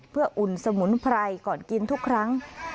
เพื่ออุ่นสมุนไพรก่อนกินทุกครั้ง